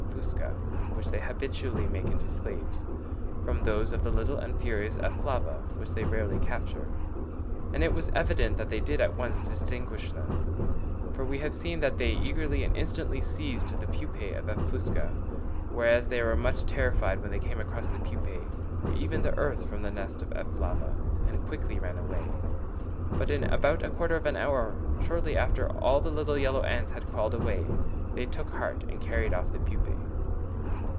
fusca, which they habitually make into slaves, from those of the little and furious F. flava, which they rarely capture, and it was evident that they did at once distinguish them; for we have seen that they eagerly and instantly seized the pupæ of F. fusca, whereas they were much terrified when they came across the pupæ, or even the earth from the nest, of F. flava, and quickly ran away; but in about a quarter of an hour, shortly after all the little yellow ants had crawled away, they took heart and carried off the pupæ.